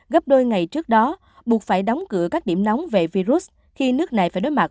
gấp đôi ngày trước đó buộc phải đóng cửa các điểm nóng về virus khi nước này phải đối mặt